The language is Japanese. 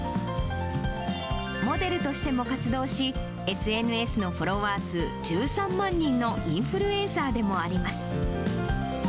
モデルとしても活動し、ＳＮＳのフォロワー数１３万人のインフルエンサーでもあります。